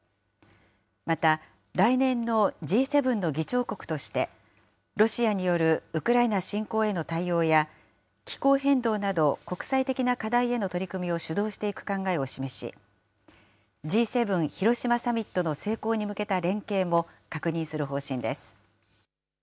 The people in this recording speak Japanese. また、来年のＧ７の議長国として、ロシアによるウクライナ侵攻への対応や、気候変動など国際的な課題への取り組みを主導していく考えを示し、Ｇ７広島サミットの成功に向けた連携も確認する方針です。